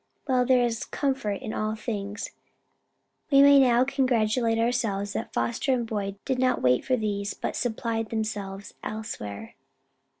"Well there is comfort in all things: we may now congratulate ourselves that Foster and Boyd did not wait for these but supplied themselves elsewhere."